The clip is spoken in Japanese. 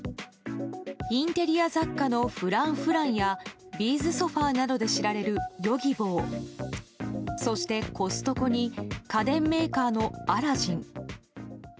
インテリア雑貨のフランフランやビーズソファなどで知られるヨギボーそして、コストコに家電メーカーのアラジン。